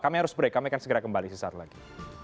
kami harus break kami akan segera kembali sesaat lagi